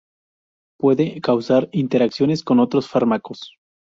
Puede causar interacciones con otros fármacos.